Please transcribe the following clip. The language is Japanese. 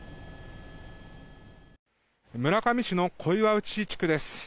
村上市の小岩内地区です。